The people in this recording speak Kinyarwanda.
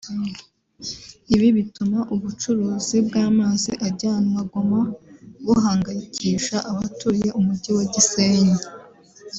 Ibi bituma ubucuruzi bw’amazi ajyanwa Goma buhangayikisha abatuye umujyi wa Gisenyi